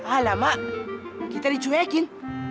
alamak kita dicuekin